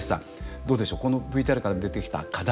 どうでしょうこのＶＴＲから出てきた課題